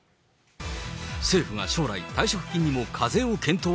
政府が将来退職金にも課税を検討？